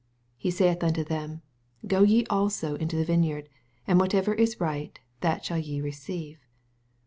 He saith unto them, Go ye also into the vineyard ; and whatsoever is right, that smill ye receive.